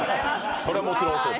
それはもちろんそうです。